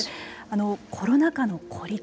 コロナ禍の孤立